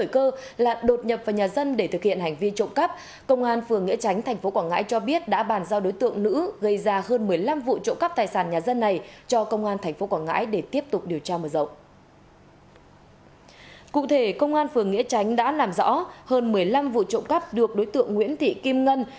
cụ thể công an phường nghĩa tránh đã làm rõ hơn một mươi năm vụ trộm cắp được đối tượng nguyễn thị kim ngân